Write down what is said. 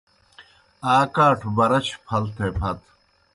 آ کاٹھوْ بَرَچھوْ پھل تھے پتہ۔